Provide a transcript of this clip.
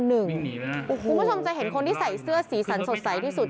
คุณผู้ชมจะเห็นคนที่ใส่เสื้อสีสันสดใสที่สุด